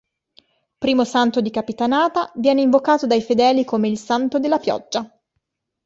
Primo santo di Capitanata, viene invocato dai fedeli come "Il santo della pioggia".